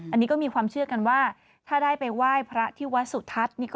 อันนี้ก็มีความเชื่อกันว่าถ้าได้ไปไหว้พระที่วัดสุทัศน์